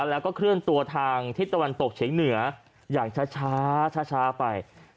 แล้วก็เคลื่อนตัวทางทิศตะวันตกเฉียงเหนืออย่างช้าไป